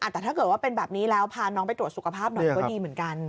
แต่ถ้าเกิดว่าเป็นแบบนี้แล้วพาน้องไปตรวจสุขภาพหน่อยก็ดีเหมือนกัน